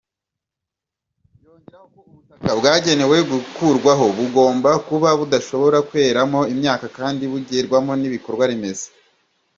Yongeraho ko ubutaka bwagenewe guturwaho bugomba kuba budashobora kweramo imyaka kandi bugerwamo n’ibikorwaremezo.